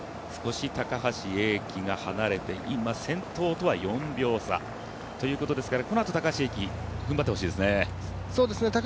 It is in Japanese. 少し高橋英輝が離れて今、先頭とは４秒差ということですからこのあと高橋英輝、ふんばってほしいですね。